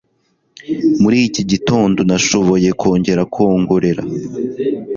muri iki gitondo nashoboye kongera kwongorera .